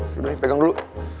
yaudah nih pegang dulu